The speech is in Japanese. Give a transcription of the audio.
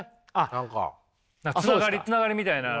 つながりみたいなのがね。